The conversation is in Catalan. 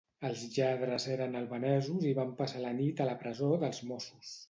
Els lladres eren albanesos i van passar la nit a la presó dels mossos